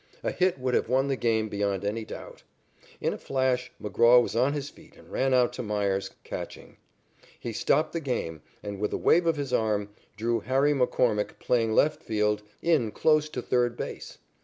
A hit would have won the game beyond any doubt. In a flash McGraw was on his feet and ran out to Meyers, catching. He stopped the game, and, with a wave of his arm, drew Harry McCormick, playing left field, in close to third base.